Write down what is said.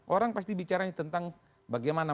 orang pasti bicara tentang bagaimana